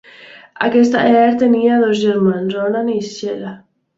Aquesta Er tenia dos germans, Onan i Shelah.